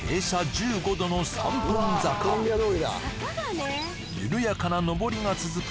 １５度の三分坂ゆるやかな上りが続く